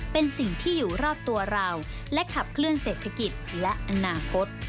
เป็นสิ่งที่อยู่รอบตัวเราและขับเคลื่อเศรษฐกิจและอนาคต